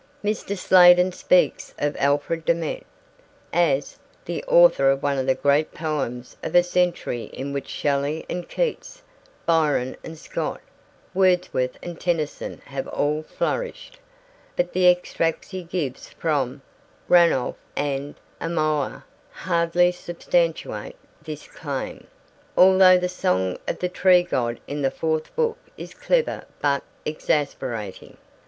Mr. Sladen speaks of Alfred Domett as 'the author of one of the great poems of a century in which Shelley and Keats, Byron and Scott, Wordsworth and Tennyson have all flourished,' but the extracts he gives from Ranolf and Amohia hardly substantiate this claim, although the song of the Tree God in the fourth book is clever but exasperating.